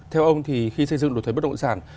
theo ông thì khi xây dựng luật thuế bất động sản